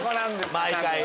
毎回。